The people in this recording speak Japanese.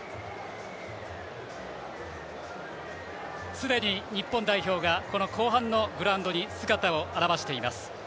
すでに日本代表がこの後半のグラウンドに姿を現しています。